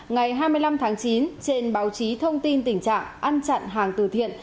ngày hai mươi năm tháng chín trên báo chí thông tin tình trạng ăn chặn hàng từ thiện